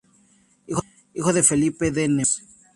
Hijo de Felipe de Nemours.